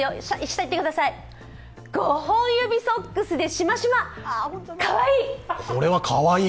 ５本指ソックスでしましま、かわいい！